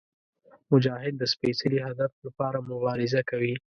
مجاهد د سپېڅلي هدف لپاره مبارزه کوي.